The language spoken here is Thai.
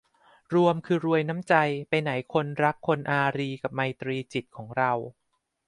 รวมคือรวยน้ำใจไปไหนคนรักคนอารีย์กับไมตรีจิตของเรา